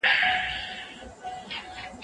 ډاکټران د متوازن خوراک سپارښتنه کوي.